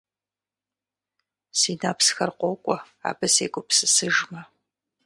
Си нэпсхэр къокӀуэ, абы сегупсысыжмэ.